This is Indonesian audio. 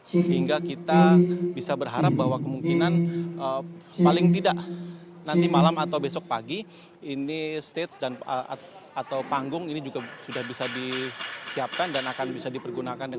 sehingga kita bisa berharap bahwa kemungkinan paling tidak nanti malam atau besok pagi ini stage atau panggung ini juga sudah bisa disiapkan dan akan bisa dipergunakan